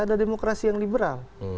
ada demokrasi yang liberal